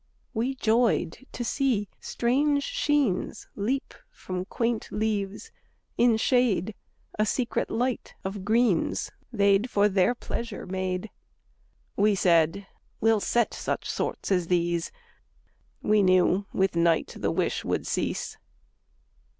We joyed to see strange sheens Leap from quaint leaves in shade; A secret light of greens They'd for their pleasure made. We said: "We'll set such sorts as these!" —We knew with night the wish would cease.